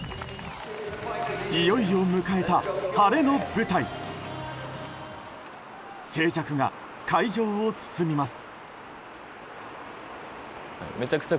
いよいよ迎えた晴れの舞台静寂が会場を包みます。